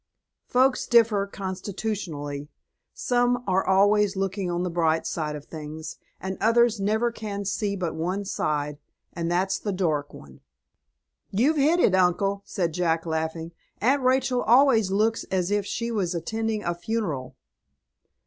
Folks differ constitutionally. Some are always looking on the bright side of things, and others can never see but one side, and that's the dark one." "You've hit it, uncle," said Jack, laughing. "Aunt Rachel always looks as if she was attending a funeral."